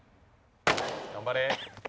「頑張れ！」